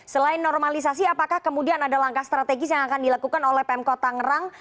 selain normalisasi apakah kemudian ada langkah strategis yang akan dilakukan oleh pemkot tangerang